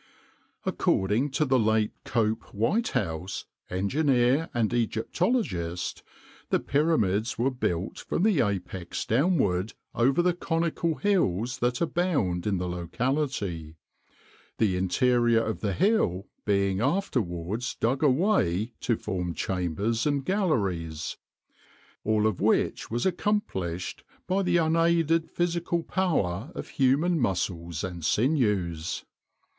According to the late Cope Whitehouse, Engineer and Egyptologist, the Pyramids were built from the apex downward over the conical hills that abound in the locality, the interior of the hill being afterwards dug away to form chambers and galleries. All of which was accomplished by the unaided physical power of human muscles and sinews.